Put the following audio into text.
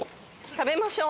食べましょう。